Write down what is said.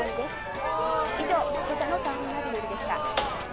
以上今朝の『タウンナビナビ』でした」